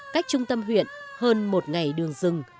cách trung tâm huyện hơn một ngày đường rừng